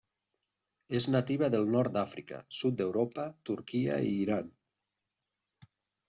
És nativa del nord d'Àfrica, sud d'Europa, Turquia i Iran.